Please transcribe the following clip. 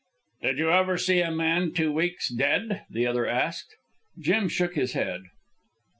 "Did you ever see a man two weeks dead?" the other asked. Jim shook his head.